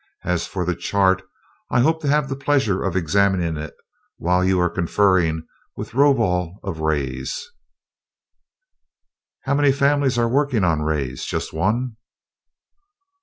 As for the chart, I hope to have the pleasure of examining it while you are conferring with Rovol of Rays." "How many families are working on rays just one?"